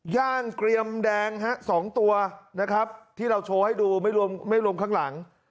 ย่านเกรียมแดง๒ตัวนะครับที่เราโชว์ให้ดูไม่รวมข้างหลัง